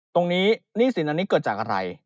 หนี้สินอันนี้เกิดจากอะไร